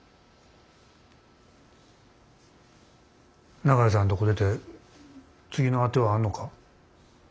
長井さんとこ出て次の当てはあんのか？